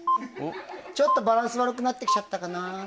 ちょっとバランス悪くなってきちゃったかな？